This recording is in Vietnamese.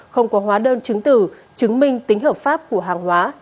không có hóa đơn chứng tử chứng minh tính hợp pháp của hàng hóa